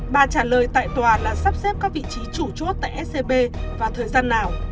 bà trả lời tại tòa là sắp xếp các vị trí chủ chốt tại scb vào thời gian nào